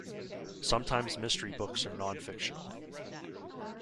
Sometimes mystery books are nonfictional.